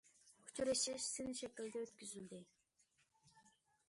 ئۇچرىشىش سىن شەكلىدە ئۆتكۈزۈلدى.